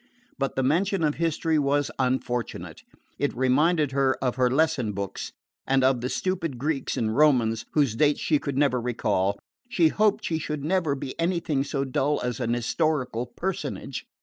But the mention of history was unfortunate. It reminded her of her lesson books, and of the stupid Greeks and Romans, whose dates she could never recall. She hoped she should never be anything so dull as an historical personage!